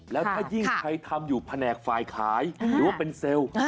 แล้วถ้ายิ่งใครทำอยู่แผนกฝ่ายขายหรือว่าเป็นเซลล์